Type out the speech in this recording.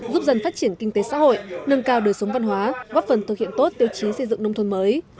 giúp dân phát triển kinh tế xã hội nâng cao đời sống văn hóa góp phần thực hiện tốt tiêu chí xây dựng nông thôn mới